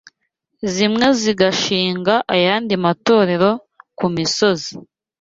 zimwe zigashinga ayandi matorero ku misozi